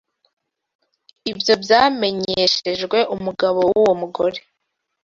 ibyo byamenyeshejwe umugabo w’uwo mugore